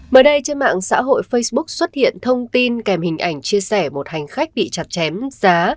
mới đây trên mạng xã hội facebook xuất hiện thông tin kèm hình ảnh chia sẻ một hành khách bị chặt chém giá